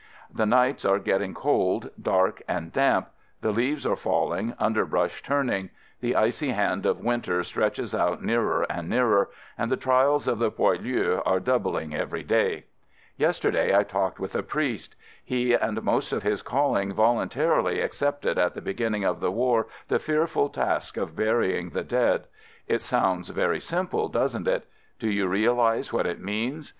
The nights are getting cold, dark and damp. The leaves are falling, underbrush turning — the icy hand of winter stretches out nearer and nearer — and the trials of the poilus are doubling every day. Yesterday I talked with a priest. He and most of his calling voluntarily ac cepted at the beginning of the war the fearful task of burying the dead. It sounds very simple, does n't it? Do you realize what it means?